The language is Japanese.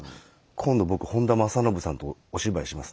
今度僕本多正信さんとお芝居しますね。